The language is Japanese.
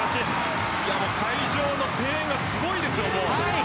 会場の声援がすごいですよ。